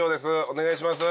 お願いします。